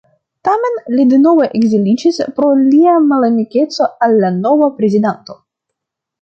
Tamen, li denove ekziliĝis pro lia malamikeco al la nova prezidanto.